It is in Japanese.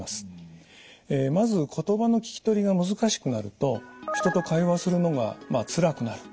まず言葉の聞き取りが難しくなると人と会話をするのがつらくなる。